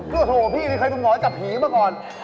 เพื่อโทษกับพี่มีใครเป็นหมอจับผีมาก่อน